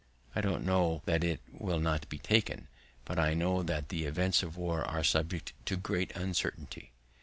"I don't know that it will not be taken, but I know that the events of war are subject to great uncertainty."